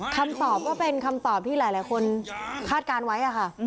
คำตอบก็เป็นคำตอบที่หลายคนคาดการณ์ไว้ค่ะ